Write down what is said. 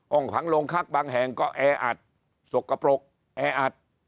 ขังโรงพักบางแห่งก็แออัดสกปรกแออัด